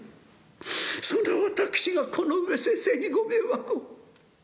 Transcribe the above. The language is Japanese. その私がこの上先生にご迷惑を」。